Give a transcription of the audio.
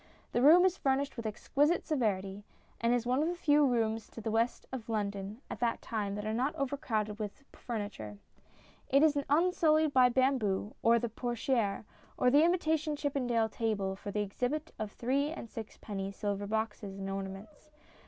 The room is furnished with exquisite severity, and is one of the few rooms in the West of London at the time that are not overcrowded with furniture . It is unsullied by bamboo, or the "portiere," or the imitation Chippendale table for the exhibit of three and sixpenny silver boxes and ornaments.